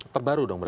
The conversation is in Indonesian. terbaru dong berarti